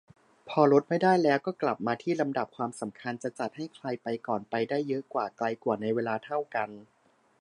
พอลดไม่ได้แล้ว ก็กลับมาที่ลำดับความสำคัญ จะจัดให้ใครไปก่อน-ไปได้เยอะกว่า-ไกลกว่าในเวลาเท่ากัน